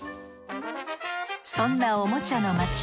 そんなおもちゃの街